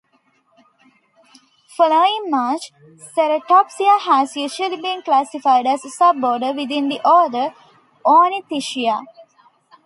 Following Marsh, Ceratopsia has usually been classified as a suborder within the order Ornithischia.